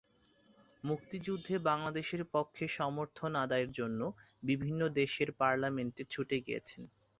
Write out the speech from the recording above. মুক্তিযুদ্ধে বাংলাদেশের পক্ষে সমর্থন আদায়ের জন্য বিভিন্ন দেশের পার্লামেন্টে ছুটে গিয়েছেন।